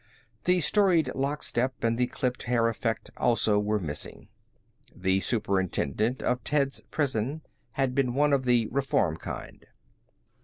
The storied lock step and the clipped hair effect also were missing. The superintendent of Ted's prison had been one of the reform kind.